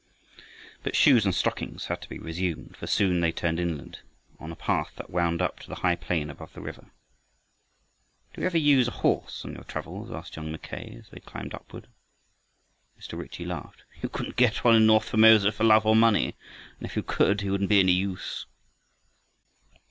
But shoes and stockings had to be resumed, for soon they turned inland, on a path that wound up to the high plain above the river. "Do you ever use a horse on your travels?" asked young Mackay as they climbed upward. Mr. Ritchie laughed. "You couldn't get one in north Formosa for love or money. And if you could, he wouldn't be any use."